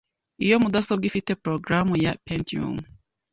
Iyi mudasobwa ifite progaramu ya Pentium .